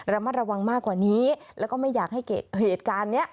เรามารวังมากกว่านี้แล้วก็อย่าให้เหตุการณ์นี้